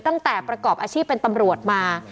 ประกอบอาชีพเป็นตำรวจมา